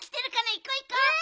いこういこう！